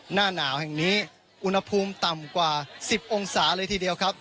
หน้าหนาวแห่งนี้อุณหภูมิต่ำกว่า๑๐องศาเลยทีเดียวครับ